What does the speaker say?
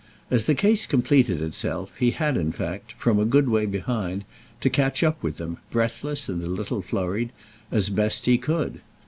As the case completed itself he had in fact, from a good way behind, to catch up with them, breathless and a little flurried, as he best could.